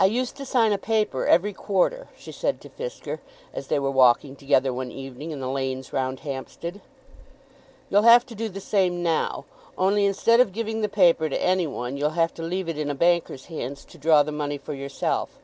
"I used to sign a paper every quarter," she said to Fisker, as they were walking together one evening in the lanes round Hampstead. "You'll have to do the same now, only instead of giving the paper to any one you'll have to leave it in a banker's hands to draw the money for yourself."